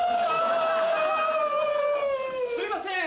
すいません